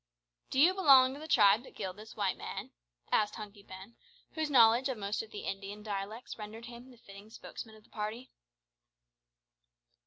"Do you belong to the tribe that killed this white man?" said Hunky Ben, whose knowledge of most of the Indian dialects rendered him the fitting spokesman of the party.